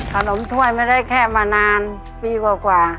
ขนมองท่วยไม่ได้แค้งมานานปีกว่า